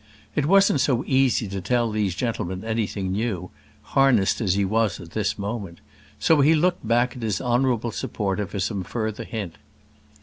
It wasn't so easy to tell these gentlemen anything new, harnessed as he was at this moment; so he looked back at his honourable supporter for some further hint.